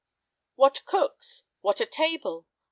What cooks! what a table!